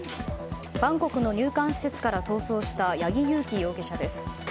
バンコクの入管施設から逃走した八木佑樹容疑者です。